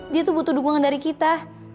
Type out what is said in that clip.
dia tuh butuh dukungan dari kita